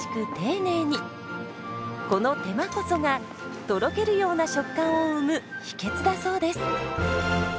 この手間こそがとろけるような食感を生む秘訣だそうです。